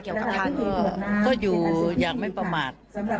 อยว่าอยากไม่ประมาท